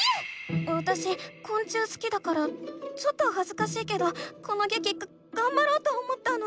わたしこん虫すきだからちょっとはずかしいけどこのげきがんばろうと思ったの。